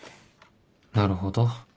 なるほど